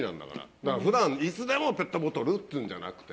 だから、ふだんいつでもペットボトルというんじゃなくて。